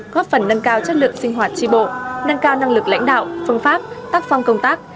góp phần nâng cao chất lượng sinh hoạt tri bộ nâng cao năng lực lãnh đạo phương pháp tác phong công tác